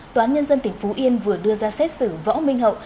toán nhân dân tỉnh phú yên vừa đưa ra xét xử võ minh hậu